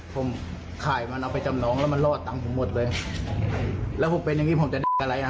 ผมขายมันเอาไปจำนองแล้วมันรอดตังค์ผมหมดเลยแล้วผมเป็นอย่างงี้ผมจะได้อะไรอ่ะ